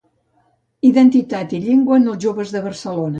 Identitat i llengua en els joves de Barcelona.